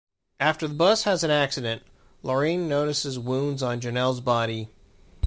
After the bus has an accident, Lurene notices wounds on Jonell's body.